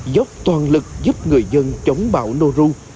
dốc toàn lực giúp người dân chống bão nô ru